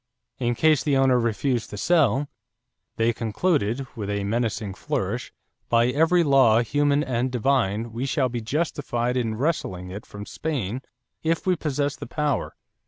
In case the owner refused to sell, they concluded, with a menacing flourish, "by every law, human and divine, we shall be justified in wresting it from Spain if we possess the power."